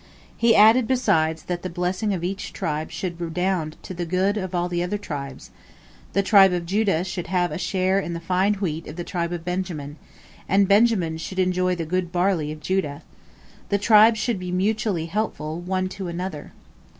He added, besides, that the blessing of each tribe should redound to the good of all the other tribes: the tribe of Judah should have a share in the fine wheat of the tribe of Benjamin, and Benjamin should enjoy the goodly barley of Judah. The tribes should be mutually helpful, one to another.